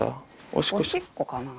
おしっこかな。